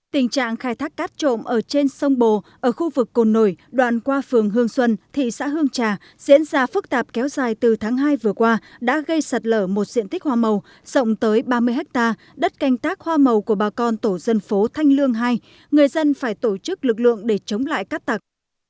tình trạng khai thác cát trộm ở trên sông bồ ở khu vực cồn nổi đoạn qua phường hương xuân thị xã hương trà diễn ra phức tạp kéo dài từ tháng hai vừa qua đã gây sạt lở một diện tích hoa màu rộng tới ba mươi hectare đất canh tác hoa màu của bà con tổ dân phố thanh lương hai người dân phải tổ chức lực lượng để chống lại cát tặc